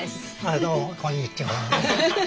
どうもこんにちは。